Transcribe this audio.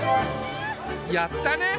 やったね！